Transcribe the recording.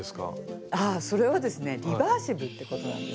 ああそれはですねリバーシブルってことなんですね。